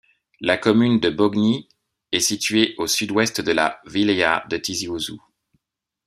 La commune de Boghni est située au sud-ouest de la wilaya de Tizi Ouzou.